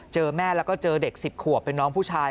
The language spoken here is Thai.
เจอแม่แล้วก็เจอเด็ก๑๐ขวบเป็นน้องผู้ชาย